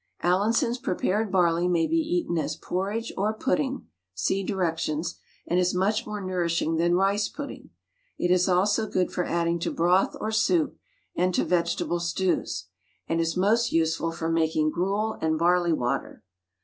Allinson's prepared barley may be eaten as porridge or pudding (see directions), and is much more nourishing than rice pudding; it is also good for adding to broth or soup, and to vegetable stews, and is most useful for making gruel and barley water.